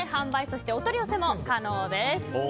そしてお取り寄せも可能です。